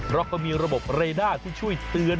แล้วก็มีระบบเรด้าที่ช่วยเตือน